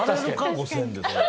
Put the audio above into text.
５０００で。